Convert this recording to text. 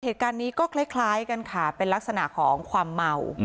เหตุการณ์นี้ก็คล้ายกันค่ะเป็นลักษณะของความเมา